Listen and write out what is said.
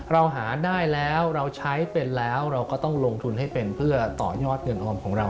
เราหาได้แล้วเราใช้เป็นแล้วเราก็ต้องลงทุนให้เป็นเพื่อต่อยอดเงินออมของเรา